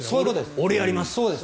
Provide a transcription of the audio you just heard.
俺やります！